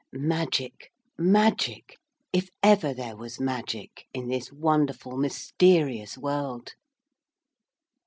Magic, magic, if ever there was magic in this wonderful, mysterious world!